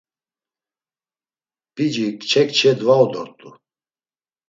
P̌ici kçe kçe dvau dort̆u.